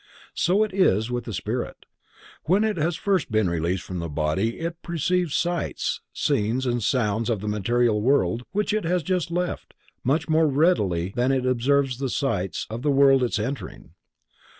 So it is also with the spirit, when it has first been released from the body it perceives sights, scenes and sounds of the material world, which it has just left, much more readily than it observes the sights of the world it is entering.